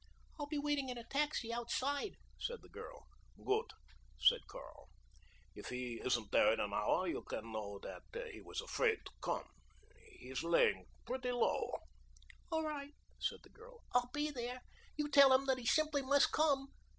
"I'll be waiting in a taxi outside," said the girl. "Good," said Carl. "If he isn't there in an hour you can know that he was afraid to come. He's layin' pretty low." "All right," said the girl, "I'll be there. You tell him that he simply must come."